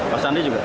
pak sandi juga